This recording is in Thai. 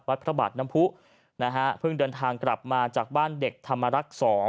พระบาทน้ำผู้นะฮะเพิ่งเดินทางกลับมาจากบ้านเด็กธรรมรักษ์๒